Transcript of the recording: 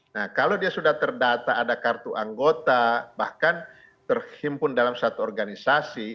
nah kalau dia sudah terdata ada kartu anggota bahkan terhimpun dalam satu organisasi